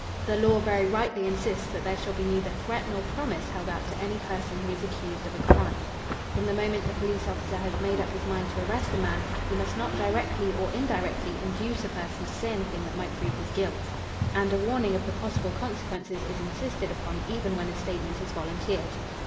The law very rightly insists that there shall be neither threat nor promise held out to any person who is accused of a crime. From the moment a police officer has made up his mind to arrest a man, he must not directly or indirectly induce a person to say anything that might prove his guilt and a warning of the possible consequences is insisted upon even when a statement is volunteered.